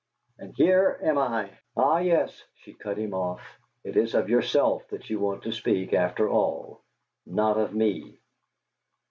"And here am I " "Ah yes," she cut him off, "it is of yourself that you want to speak, after all not of me!"